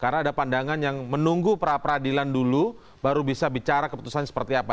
karena ada pandangan yang menunggu peradilan dulu baru bisa bicara keputusan seperti apa